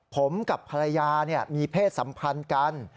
ผมกับภรรยามีเพศสัมพันธ์กัน